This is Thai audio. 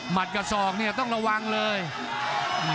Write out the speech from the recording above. ภูตวรรณสิทธิ์บุญมีน้ำเงิน